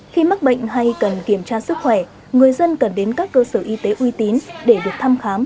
khi mắc bệnh hay cần kiểm tra sức khỏe người dân cần đến các cơ sở y tế uy tín để được thăm khám